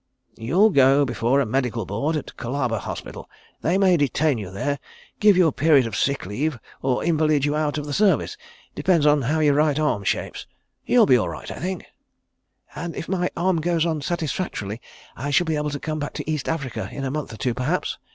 "You'll go before a Medical Board at Colaba Hospital. They may detain you there, give you a period of sick leave, or invalid you out of the Service. Depends on how your right arm shapes. ... You'll be all right, I think." "And if my arm goes on satisfactorily I shall be able to come back to East Africa in a month or two perhaps?"